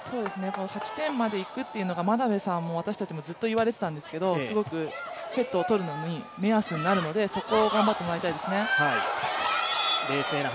８点までいくというのが眞鍋さんも私たちもずっと言われていたんですけど、すごくセットを取るのに目安になるので、そこを頑張ってもらいたいですね。